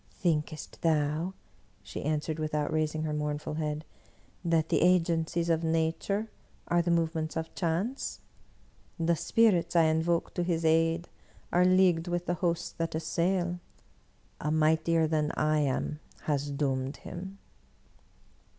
"Thinkest thou," she answered without raising her mournful head, "that the.» Agencies of Nature are the movements of chance? The Spirits I invoked to his aid are leagued with the hosts that assail. A mightier than I am has doomed him